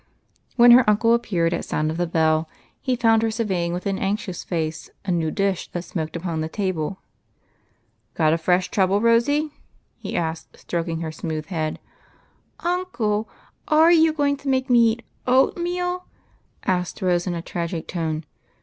When her uncle appeared at sound of the bell, he found her surveying with an anxious face a new dish that smoked upon the table. " Got a fresh trouble. Rosy ?" he asked, stroking her smooth head. " Uncle, are you going to make me eat oatmeal ?" asked Rose, in a tragic tone.